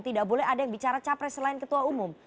tidak boleh ada yang bicara capres selain ketua umum